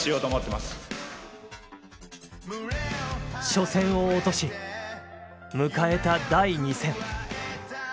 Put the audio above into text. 初戦を落とし迎えた第２戦。